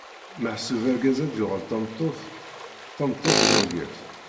Meḥsub argaz ad d-yuɣal d tameṭṭut, tameṭṭut d argaz.